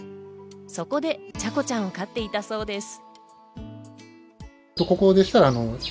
そこでチャコちゃんを飼っていたそうです。